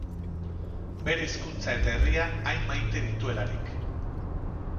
Bere hizkuntza eta herria hain maite dituelarik.